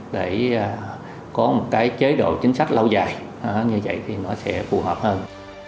để có một cái chế độ chính sách lâu dài như vậy thì nó sẽ phù hợp hơn